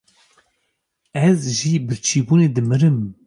Ez ji birçîbûnê dimirim!